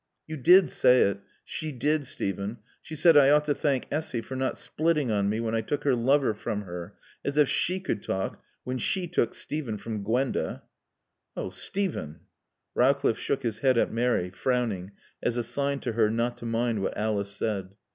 "You did say it. She did, Steven. She said I ought to thank Essy for not splitting on me when I took her lover from her. As if she could talk when she took Steven from Gwenda." "Oh Steven!" Rowcliffe shook his head at Mary, frowning, as a sign to her not to mind what Alice said.